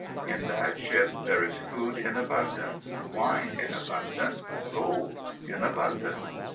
In that ship there is food in abundance, wine in abundance, gold in abundance.